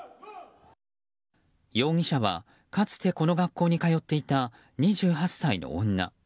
容疑者は、かつてこの学校に通っていた２８歳の女。